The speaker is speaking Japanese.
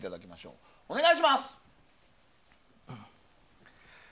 お願いします。